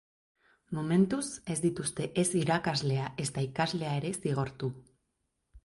Momentuz, ez dituzte ez irakaslea ezta ikaslea ere zigortu.